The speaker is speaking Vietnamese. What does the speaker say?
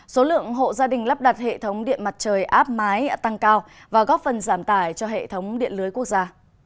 số lượng hộ gia đình lắp đặt hệ thống điện mặt trời áp mái tăng cao và góp phần giảm tải cho hệ thống điện lưới quốc gia